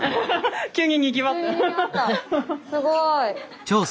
すごい。